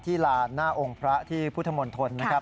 ลานหน้าองค์พระที่พุทธมณฑลนะครับ